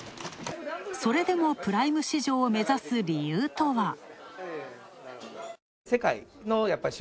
それでもプライム市場を目指す理由とは。